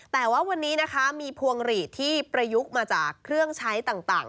แต่ว่าวันนี้นะคะมีพวงหลีดที่ประยุกต์มาจากเครื่องใช้ต่าง